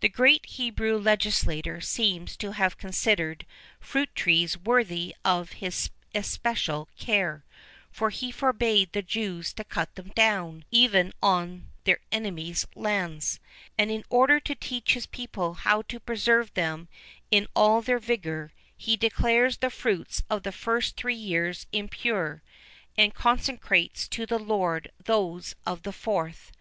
The great Hebrew legislator seems to have considered fruit trees worthy of his especial care, for he forbad the Jews to cut them down, even on their enemies' lands;[XI 2] and, in order to teach his people how to preserve them in all their vigour, he declares the fruits of the first three years impure, and consecrates to the Lord those of the fourth.